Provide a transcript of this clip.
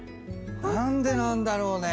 何でなんだろうね。